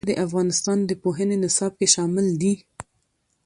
کابل د افغانستان د پوهنې نصاب کې شامل دي.